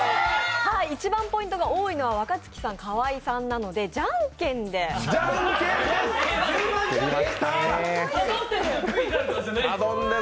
一番ポイントが多いのは若槻さん、河井さんなのでじゃんけんで。